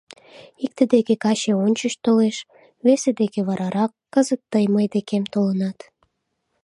Икте деке каче ончыч толеш, весе деке варарак, кызыт тый мый декем толынат.